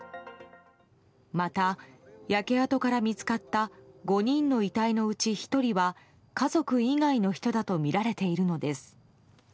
また、焼け跡から見つかった５人の遺体のうち１人は家族以外の人だとみられているのです。